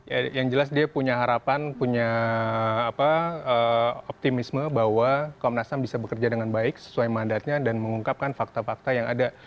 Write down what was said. ya yang jelas dia punya harapan punya optimisme bahwa komnas ham bisa bekerja dengan baik sesuai mandatnya dan mengungkapkan fakta fakta yang ada